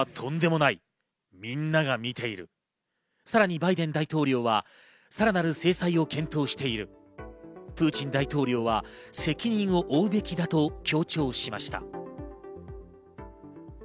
さらにバイデン大統領はさらなる制裁を検討している、プーチン大統領は責任を負うべきだと強調しました。